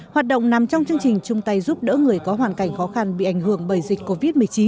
hoạt động nằm trong chương trình chung tay giúp đỡ người có hoàn cảnh khó khăn bị ảnh hưởng bởi dịch covid một mươi chín